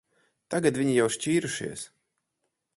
Tagad viņi jau šķīrušies.